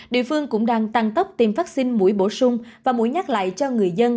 địa phương cũng đang tăng tốc tiêm vaccine mũi bổ sung và mũi nhắc lại cho người dân